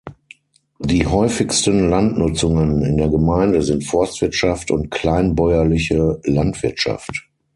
Die häufigsten Landnutzungen in der Gemeinde sind Forstwirtschaft und kleinbäuerliche Landwirtschaft.